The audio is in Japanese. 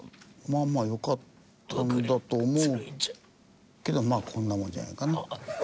まあまあ良かったんだと思うけどまあこんなもんじゃないかな。